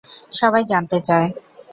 সবাই জানতে চায়।